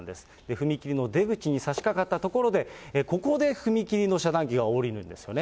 踏切の出口にさしかかったところで、ここで踏切の遮断機が下りるんですよね。